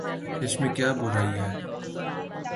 اس میں کیا برائی ہے؟